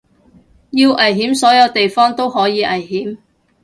要危險所有地方都可以危險